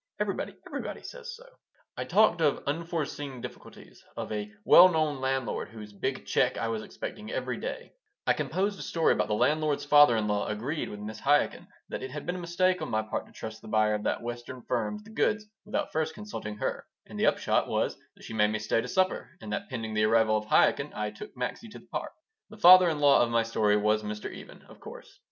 Everybody, everybody says so." I talked of "unforeseen difficulties," of a "well known landlord" whose big check I was expecting every day; I composed a story about that landlord's father in law agreed with Mrs. Chaikin that it had been a mistake on my part to trust the buyer of that Western firm the goods without first consulting her; and the upshot was that she made me stay to supper and that pending the arrival of Chaikin I took Maxie to the Park The father in law of my story was Mr. Even, of course.